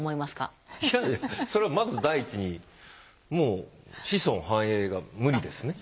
いやいやそれはまず第一にもう子孫繁栄が無理ですね。